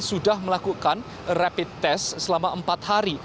sudah melakukan rapid test selama empat hari